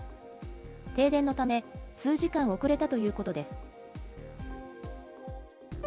停電のため、数時間遅れたということです。